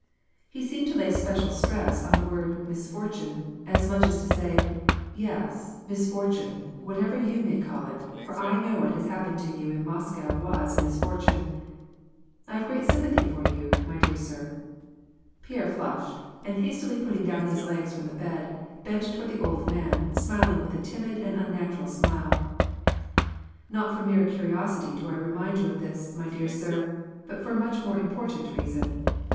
He seemed to lay a special stress on the word, " misfor tune," as much as to say : Yes, misfortune, whatever you may call it, for I know that what happened to you in Moscow was a misfortune. " I have a great sympathy for you, my dear sir." Pierre flushed, and hastily putting down his legs from the bed, bent toward the old man, smiling with a timid and un natural smile. "Not from mere curiosity do I remind you of this, my dear sir, but for a much more important reason."